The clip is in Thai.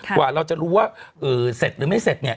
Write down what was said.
กว่าเราจะรู้ว่าเสร็จหรือไม่เสร็จเนี่ย